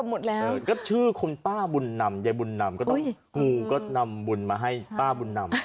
มันก็ชื่อคุณป้าบุญนำยายบุญนำกูก็นำบุญมาให้ป้าบุญนำ